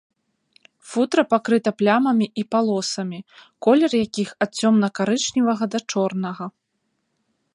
Футра пакрыта плямамі і палосамі, колер якіх ад цёмна-карычневага да чорнага.